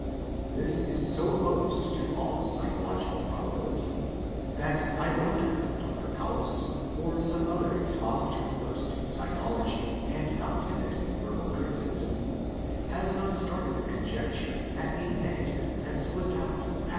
This is so opposed to all pyschological probability, that I wonder Dr. Paulus, or some other expositor versed in pyschology and not timid in verbal criticism, has not started the conjecture that a negative has slipped out of Matt.